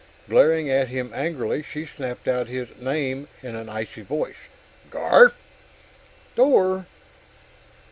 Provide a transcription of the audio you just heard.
Glaring at him angrily, she snapped out his name in an icy voice. "Garf!" "Dor!"